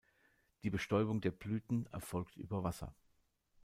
Die Bestäubung der Blüten erfolgt über Wasser.